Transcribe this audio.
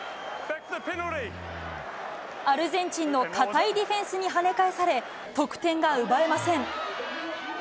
アルゼンチンの堅いディフェンスにはね返され、得点が奪えません。